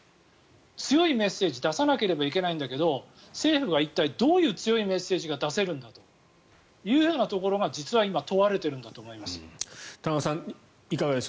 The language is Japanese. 強いメッセージ出さなければいけないんだけど政府が一体どういう強いメッセージが出せるんだというところが実は今問われているんだと思います。